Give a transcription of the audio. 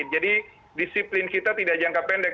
jadi disiplin kita tidak jangka pendek